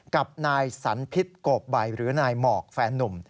กับนายสันพิษโกบใบหรือนายหมอกแฟนนุ่ม